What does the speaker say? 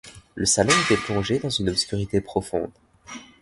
Le salon était plongé dans une obscurité profonde.